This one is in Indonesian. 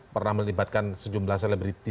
pernah melibatkan sejumlah selebriti